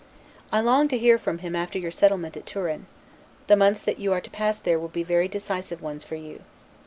I long to hear from him after your settlement at Turin: the months that you are to pass there will be very decisive ones for you.